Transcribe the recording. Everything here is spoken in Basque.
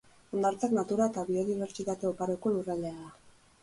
Hondartzak, natura eta biodibertsitate oparoko lurraldea da.